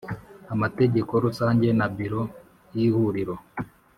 amategeko Rusange na Biro y Ihuriro